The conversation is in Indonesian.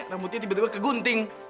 rambutnya tiba tiba kegunting